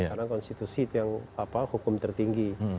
karena konstitusi itu yang hukum tertinggi